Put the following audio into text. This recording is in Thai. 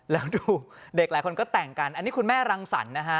แล้วดูเด็กหลายคนก็แต่งกันอันนี้คุณแม่รังสรรคนะฮะ